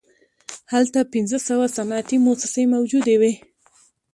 هلته پنځه سوه صنعتي موسسې موجودې وې